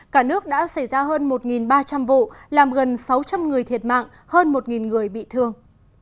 cả nước đã xảy ra hơn một ba trăm linh vụ làm gần sáu trăm linh người thiệt mạng hơn một người bị thương